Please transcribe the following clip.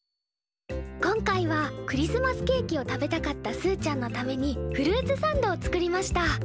今回はクリスマスケーキを食べたかったすーちゃんのためにフルーツサンドを作りました。